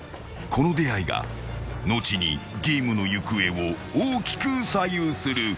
［この出会いが後にゲームの行方を大きく左右する］